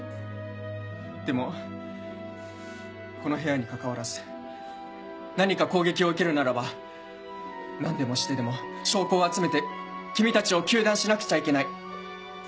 でもこの部屋にかかわらず何か攻撃を受けるならば何でもしてでも証拠を集めて君たちを糾弾しなくちゃいけない。